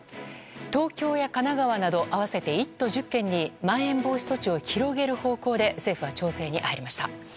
東京や神奈川など合わせて１都１０県にまん延防止措置を広げる方向で政府は調整に入りました。